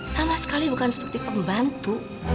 sama sekali bukan seperti pembantu